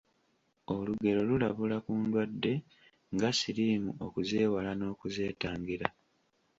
Olugero lulabula ku ndwadde nga Siriimu okuzeewala n’okuzeetangira.